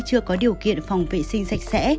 chưa có điều kiện phòng vệ sinh sạch sẽ